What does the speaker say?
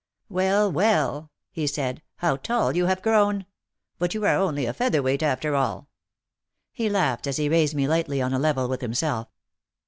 "Well, well," he said, "how tall you have grown. But you are only a feather weight after all." He laughed as he raised me lightly on a level with himself.